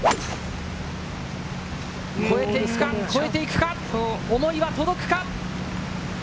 越えていくか、越えていくか、思いは届くか！